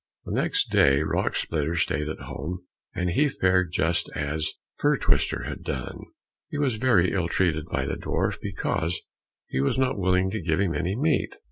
The next day Rock splitter stayed at home, and he fared just as Fir twister had done, he was very ill treated by the dwarf because he was not willing to give him any meat.